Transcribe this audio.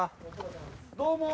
どうも。